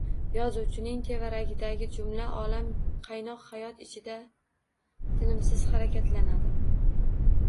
Yozuvchining tevaragidagi jumla olam qaynoq hayot ichida tinimsiz harakatlanadi